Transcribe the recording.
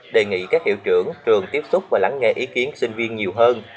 đề nghị các hiệu trưởng trường tiếp xúc và lắng nghe ý kiến sinh viên nhiều hơn